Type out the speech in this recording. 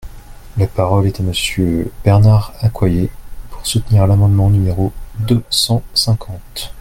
La parole est à Monsieur Bernard Accoyer, pour soutenir l’amendement numéro deux cent cinquante.